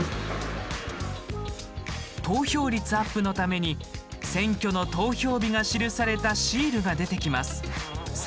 投票率アップのために選挙の投票日が記載されたシールが出てきました。